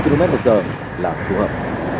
bây giờ là phù hợp